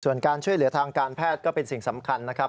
ส่วนการช่วยเหลือทางการแพทย์ก็เป็นสิ่งสำคัญนะครับ